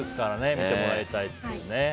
見てもらいたいっていうね。